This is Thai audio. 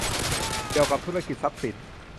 เกี่ยวกับธุรกิจทรัพย์สิน